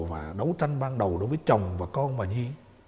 và đấu tranh ban đầu đối với chồng và con bà nhi